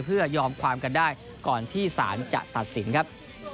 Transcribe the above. เพื่อยอมความกันได้ก่อนที่ศาลจะตัดสินครับ